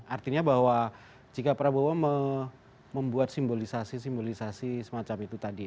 artinya bahwa jika prabowo membuat simbolisasi simbolisasi semacam itu tadi